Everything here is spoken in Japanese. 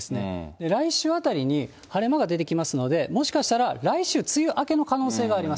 来週あたりに晴れ間が出てきますので、もしかしたら来週、梅雨明けの可能性があります。